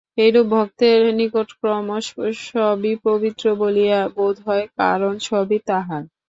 এইরূপ ভক্তের নিকট ক্রমশ সবই পবিত্র বলিয়া বোধ হয়, কারণ সবই তাঁহার।